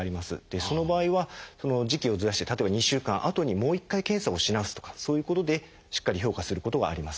その場合は時期をずらして例えば２週間あとにもう一回検査をし直すとかそういうことでしっかり評価することはあります。